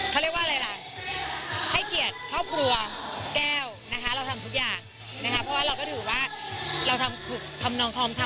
เขาเรียกว่าอะไรล่ะ